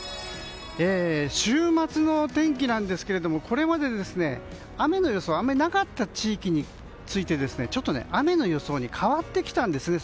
週末の天気なんですがこれまで雨の予想があまりなかった地域について雨の予想に変わってきたんですね。